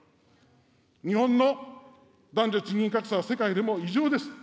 日本の男女賃金格差は異常です。